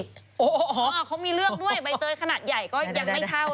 เขามีเลือกด้วยใบเตยขนาดใหญ่ก็ยังไม่เท่า